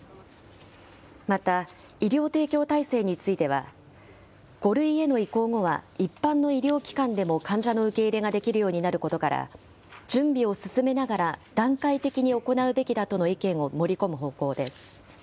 また、医療提供体制については、５類への移行後は一般の医療機関でも患者の受け入れができるようになることから、準備を進めながら、段階的に行うべきだとの意見を盛り込む方向です。